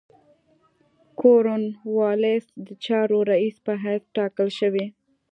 کورن والیس د چارو رییس په حیث تاکل شوی.